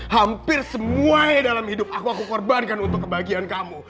hampir semuanya dalam hidup aku aku korbankan untuk kebahagiaan kamu